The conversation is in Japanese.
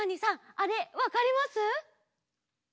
あれわかります？